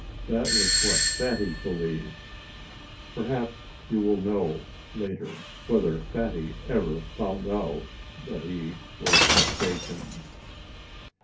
That was what Fatty believed. Perhaps you will know, later, whether Fatty ever found out that he was mistaken.